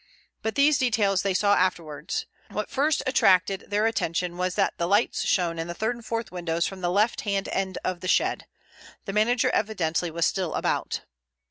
But these details they saw afterwards. What first attracted their attention was that lights shone in the third and fourth windows from the left hand end of the shed. The manager evidently was still about.